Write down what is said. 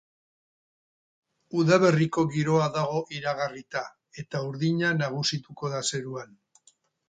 Udaberriko giroa dago iragarrita, eta urdina nagusituko da zeruan.